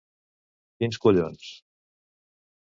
Quins collons!